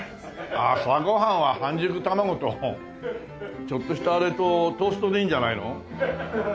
朝ご飯は半熟卵とちょっとしたあれとトーストでいいんじゃないの？